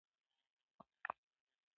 د بهلول او شیرشاه خبرې اورم.